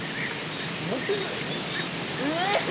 持てないでしょ。